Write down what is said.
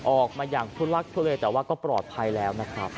ออกมาอย่างทุลักทุเลแต่ว่าก็ปลอดภัยแล้วนะครับ